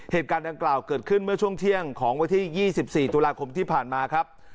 เหตุการณ์ดังกล่าวเกิดขึ้นเมื่อช่วงเที่ยงของวันที่๒๔ตุลาคมที่ผ่านมาครับ